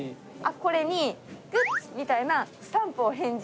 これにグッドみたいなスタンプを返事させて頂いて。